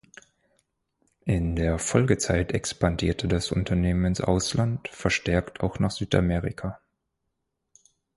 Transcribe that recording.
In der Folgezeit expandierte das Unternehmen ins Ausland, verstärkt auch nach Südamerika.